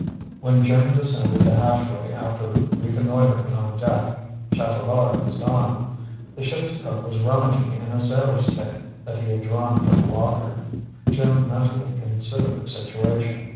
When Jim descended the hatchway after reconnoitering on deck, Chatelard was gone. The ship's cook was rummaging in a sailor's kit that he had drawn from a locker. Jim mentally considered the situation.